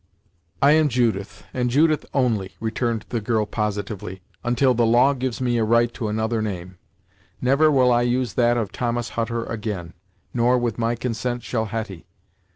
"I am Judith, and Judith only," returned the girl positively "until the law gives me a right to another name. Never will I use that of Thomas Hutter again; nor, with my consent, shall Hetty!